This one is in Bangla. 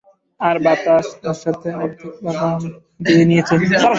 আর বাতাস তার সাথে অর্ধেক বাগান নিয়ে নিয়েছে।